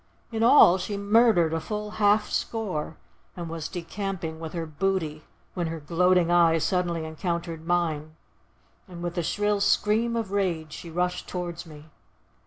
In all she murdered a full half score, and was decamping with her booty when her gloating eyes suddenly encountered mine, and with a shrill scream of rage she rushed towards me.